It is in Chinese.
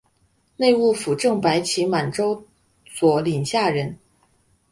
内务府正白旗满洲佐领下人。